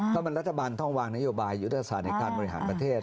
ก็เป็นรัฐบาลท่องวางนโยบายุทธศาสนิทการบริหารประเทศ